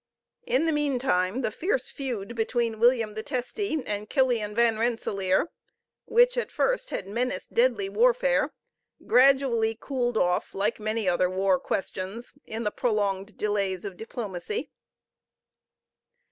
In the meantime the fierce feud between William the Testy and Killian Van Rensellaer, which at first had menaced deadly warfare, gradually cooled off, like many other war questions, in the prolonged delays of diplomacy.